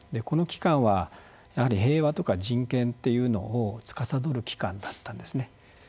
この機関は平和とか人権っていうのをつかさどる機関だったんですね。